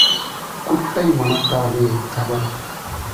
குட்டை மனத்தாலே - அவர்